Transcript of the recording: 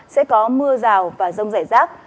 sẽ có mưa rào và rông rải rác